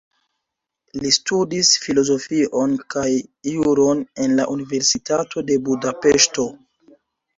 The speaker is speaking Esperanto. Li studis filozofion kaj juron en la Universitato de Budapeŝto.